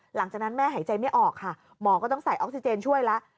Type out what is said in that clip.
หลังจากนั้นแม่หายใจไม่ออกค่ะหมอก็ต้องใส่ออกซิเจนช่วยแล้ว